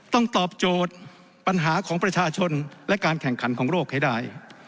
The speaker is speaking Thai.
ตอบโจทย์ปัญหาของประชาชนและการแข่งขันของโลกให้ได้